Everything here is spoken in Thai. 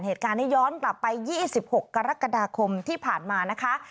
เหตุการณ์นี้ย้อนกลับไป๒๖กรกฎาคมที่ผ่านมานะคะ